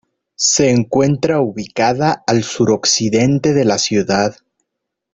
Se encuentra ubicada al suroccidente de la ciudad.